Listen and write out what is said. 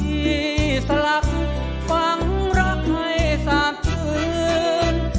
ที่พี่สลักฝังรักให้สาบชืน